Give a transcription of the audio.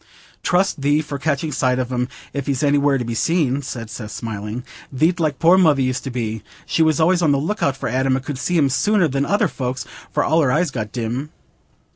"Trust thee for catching sight of him if he's anywhere to be seen," said Seth, smiling. "Thee't like poor mother used to be. She was always on the look out for Adam, and could see him sooner than other folks, for all her eyes got dim."